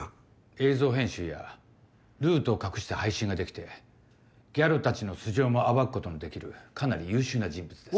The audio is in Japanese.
映像編集やルートを隠した配信ができてギャロたちの素性も暴くことのできるかなり優秀な人物です。